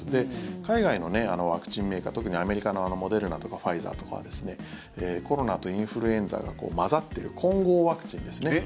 海外のワクチンメーカー特にアメリカのモデルナとかファイザーとかはコロナとインフルエンザが混ざっている混合ワクチンですね